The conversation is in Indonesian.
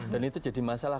dan itu jadi masalah